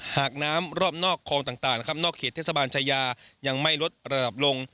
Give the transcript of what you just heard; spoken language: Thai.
หากน้ำรอบนอกคลองต่างนะครับนอกเขตเทศบาลชายายังไม่ลดระดับลง